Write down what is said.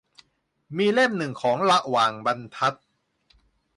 มีเล่มหนึ่งของระหว่างบรรทัด